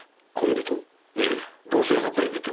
ええ同性の恋人。